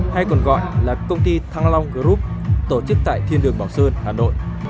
hay còn gọi là công ty thăng long group tổ chức tại thiên đường bảo sơn hà nội